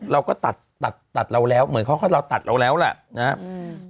เราก็ตัดตัดตัดเราแล้วเหมือนเค้าก็เราตัดเราแล้วล่ะนะฮะ